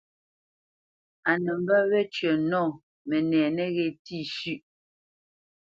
A nə mbə́ wecyə̌ nɔ mənɛ nəghé tî shʉ̂ʼ.